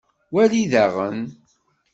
Wali daɣen.